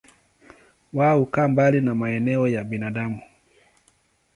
Wao hukaa mbali na maeneo ya binadamu.